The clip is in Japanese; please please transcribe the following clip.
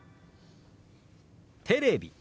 「テレビ」。